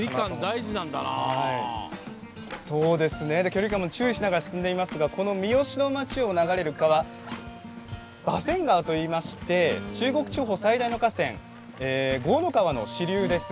距離感も注意しながら進みますが、三次を流れる川馬洗川といいまして中国地方最大の河川江の川の支流です。